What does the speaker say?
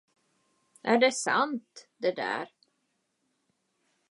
Är det sant, det där?